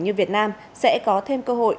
như việt nam sẽ có thêm cơ hội